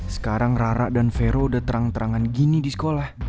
sekarang rara dan vero udah terang terangan gini di sekolah